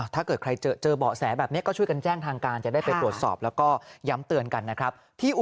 ถ้าเกิดใครเจอเบาะแสแบบนี้ก็ช่วยกันแจ้งทางการจะได้ไปตรวจสอบแล้วก็ย้ำเตือนกันนะครับ